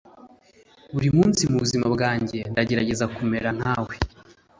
buri munsi mubuzima bwanjye ndagerageza kumera nkawe,